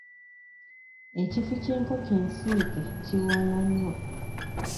Ekifi ky'enkoko ensiike kiwooma nnyo.